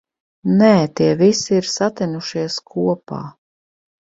Nē, tie visi ir satinušies kopā.